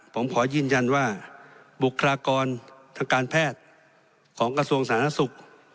ผมขอยืนยันว่าบุคลากรทางการแพทย์ของกระทรวงสาธารณสุข